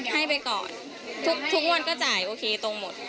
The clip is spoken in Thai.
ให้ไปก่อนทุกวันก็จ่ายโอเคตรงหมด